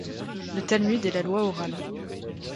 Le Talmud est la Loi orale.